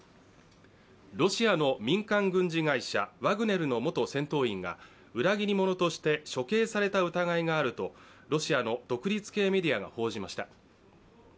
ロシアの民間軍事会社ワグネルの元戦闘員が裏切り者として処刑された疑いがあるとロシアの独立系メディアが報じました。